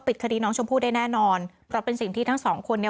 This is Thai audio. ปิดคติน้องชมภูได้แน่นอนก็เป็นสิ่งที่ทั้งสองคนนี้